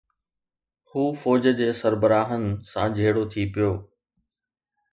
هو فوج جي سربراهن سان جهيڙو ٿي پيو.